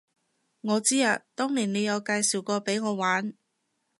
我知啊，當年你有介紹過畀我玩